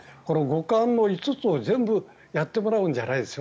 五感の５つを全部やってもらうんじゃないです。